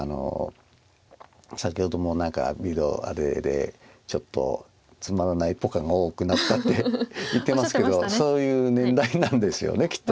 先ほども何かあれでちょっとつまらないポカが多くなったって言ってますけどそういう年代なんでしょうきっと。